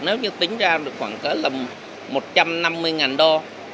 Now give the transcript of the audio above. nếu như tính ra được khoảng một trăm năm mươi đô